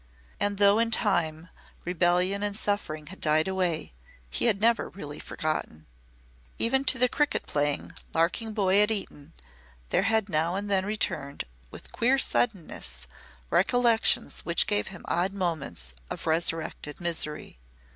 And though, in time, rebellion and suffering had died away, he had never really forgotten. Even to the cricket playing, larking boy at Eton there had now and then returned, with queer suddenness, recollections which gave him odd moments of resurrected misery.